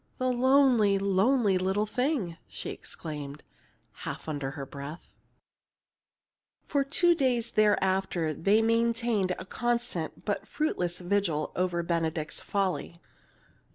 "The lonely, lonely little thing!" she exclaimed, half under her breath. For two days thereafter they maintained a constant, but fruitless, vigil over "Benedict's Folly."